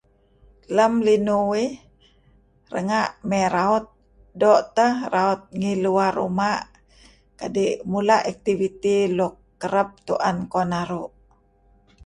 Lem linuh uih renga' mey raut doo' teh raut ngi luar ruma' kadi' mula' aktiviti luk kereb tu'en kuh naru'.